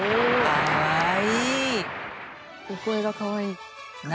「かわいい」